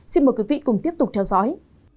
xin mời quý vị cùng tiếp tục theo dõi